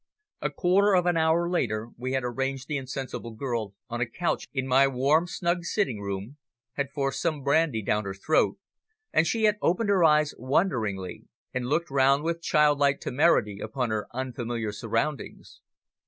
A quarter of an hour later we had arranged the insensible girl on a couch in my warm, snug sitting room, had forced some brandy down her throat, and she had opened her eyes wonderingly, and looked round with childlike temerity upon her unfamiliar surroundings.